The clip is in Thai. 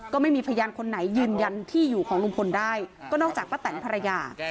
ก็ไม่มีพยานคนไหนยืนยันที่อยู่ของลุงพลได้ก็นอกจากป้าแตนภรรยา